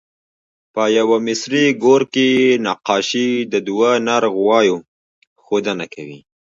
په یوه مصري ګور کې نقاشي د دوه نر غوایو ښودنه کوي.